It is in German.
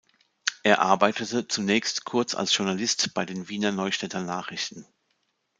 Er arbeitete zunächst kurz als Journalist bei den "Wiener Neustädter Nachrichten".